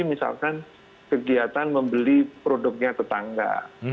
misalkan kegiatan membeli produknya tetangga